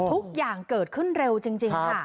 ทุกอย่างเกิดขึ้นเร็วจริงค่ะ